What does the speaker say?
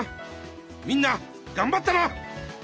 みんながんばったな！